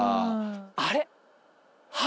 あれ。